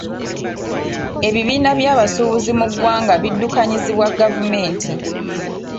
Ebibiina by’abasuubuzi mu ggwanga biddukanyizibwa gavumenti.